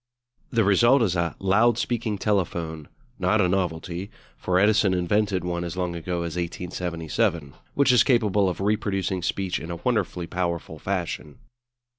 The result is a "loud speaking telephone" not a novelty, for Edison invented one as long ago as 1877 which is capable of reproducing speech in a wonderfully powerful fashion.